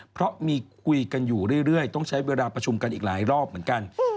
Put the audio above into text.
เพราะมีคุยกันอยู่เรื่อยต้องใช้เวลาประชุมกันอีกหลายรอบเหมือนกัน